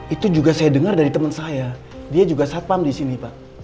itu juga saya dengar dari temen saya dia juga satpam disini pak